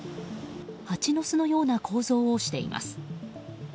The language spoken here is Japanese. ハチの巣のような構造をしています。